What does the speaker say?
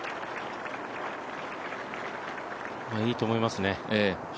いいと思いますね。